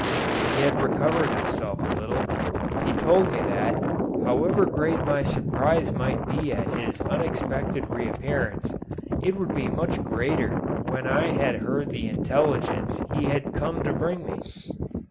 When he had recovered himself a little, he told me that, however great my surprise might be at his unexpected reappearance, it would be much greater when I heard the intelligence he had come to bring me.